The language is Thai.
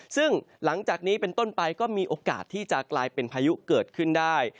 ซึ่งหลังจากนี้เป็นต้นไปก็มีโอกาสที่จะกลายเป็นพายุเกิดขึ้นได้